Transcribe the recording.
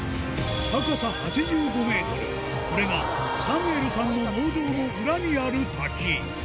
高さ８５メートル、これがサムエルさんの農場の裏にある滝。